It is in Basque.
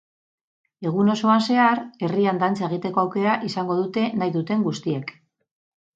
Egun osoan zehar, herrian dantza egiteko aukera izango dute nahi duten guztiek.